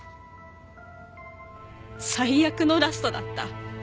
最悪のラストだった。